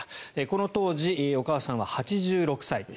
この当時、お母さんは８６歳。